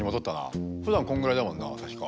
ふだんこんぐらいだもんな確か。